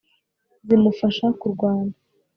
zimufasha kurwana